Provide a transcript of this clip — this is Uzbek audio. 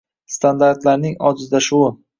Standartlarning ojizlashuvi